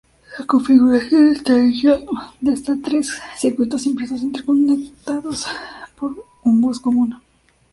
La configuración está hecha de hasta tres circuitos impresos interconectados por un bus común.